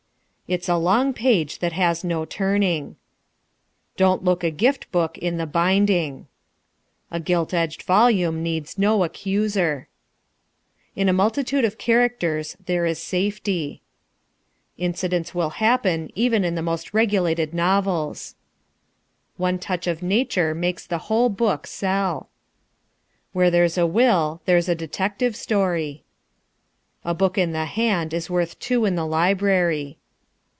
It's a long page that has no turning. Don't look a gift book in the binding. A gilt edged volume needs no accuser. In a multitude of characters there is safety. Incidents will happen even in the best regulated novels. One touch of Nature makes the whole book sell. Where there's a will there's a detective story. A book in the hand is worth two in the library.